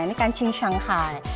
ini kancing shanghai